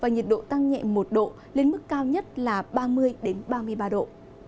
nhiệt độ tăng nhẹ một độ lên mức cao nhất là ba mươi ba mươi ba độ